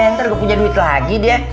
enter gue punya duit lagi dia